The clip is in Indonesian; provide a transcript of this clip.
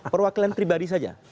perwakilan pribadi saja